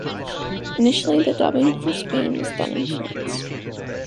Initially the dubbing for Spain was done in France.